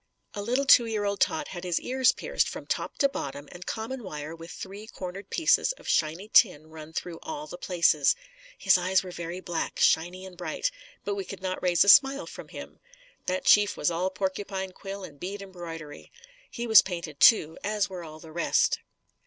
A little two year old tot had his ears pierced from top to bottom and common wire with three cornered pieces of shiny tin run through all the places. His eyes were very black, shiny and bright, but we could not raise a smile from him. That chief was all porcupine quill and bead embroidery. He was painted, too, as were all the rest.